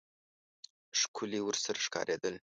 ښکلي ورسره ښکارېدل.